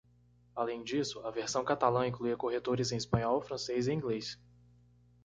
Além disso, a versão catalã incluía corretores em espanhol, francês e inglês.